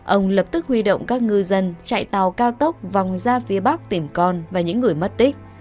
ông lập tức huy động các ngư dân chạy tàu cao tốc vòng ra phía bắc tìm con và những người mất tích